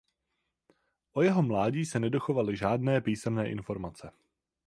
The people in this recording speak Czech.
O jeho mládí se nedochovaly žádné písemné informace.